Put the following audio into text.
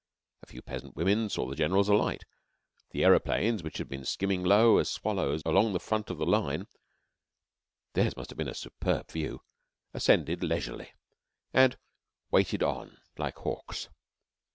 A few peasant women saw the Generals alight. The aeroplanes, which had been skimming low as swallows along the front of the line (theirs must have been a superb view) ascended leisurely, and "waited on" like hawks.